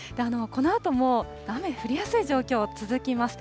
このあとも雨、降りやすい状況、続きます。